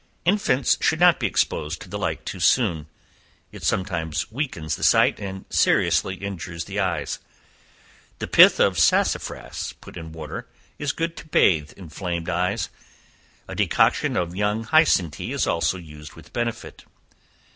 Infants should not be exposed to the light too soon; it sometimes weakens the sight and seriously injures the eyes. The pith of sassafras put in water, is good to bathe inflamed eyes; a decoction of young hyson tea is also used with benefit.